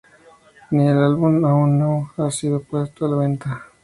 Ni el álbum aún no ha sido puesto a la venta.